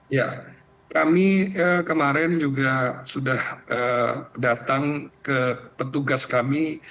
ya kami kemarin juga sudah datang ke petugas kami